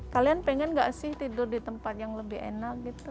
kalian pengen gak sih tidur di tempat yang lebih enak gitu